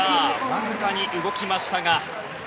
わずかに動きましたが。